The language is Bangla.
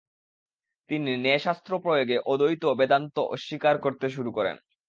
তিনি ন্যায়শাস্ত্র প্রয়োগে অদ্বৈত বেদান্ত অস্বীকার করতে শুরু করেন।